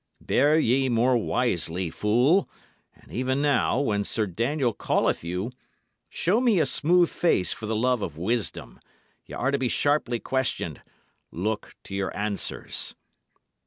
Bear ye more wisely, fool; and even now, when Sir Daniel calleth you, show me a smooth face for the love of wisdom. Y' are to be sharply questioned. Look to your answers."